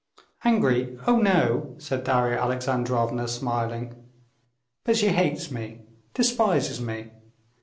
"Angry? Oh, no!" said Darya Alexandrovna, smiling. "But she hates me, despises me?"